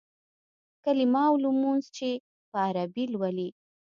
کلیمه او لمونځ چې په عربي لولې.